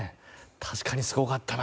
確かにすごかったな。